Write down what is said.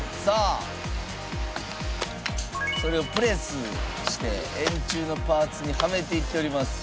それをプレスして円柱のパーツにはめていっております。